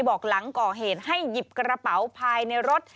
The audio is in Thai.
บอกหลังก่อเหตุให้หยิบกระเป๋าภายในรถ